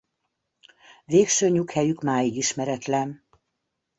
Végső nyughelyük máig ismeretlen.